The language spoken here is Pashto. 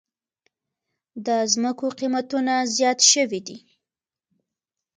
د زمکو قيمتونه زیات شوي دي